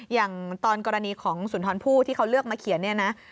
อย่างตอนกรณีของสุนทรพู่ที่เขาเลือกมาเขียน